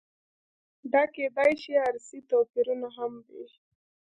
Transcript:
دا کېدای شي ارثي توپیرونه هم وي.